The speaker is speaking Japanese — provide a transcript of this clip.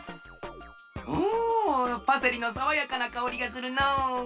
うんパセリのさわやかなかおりがするのう。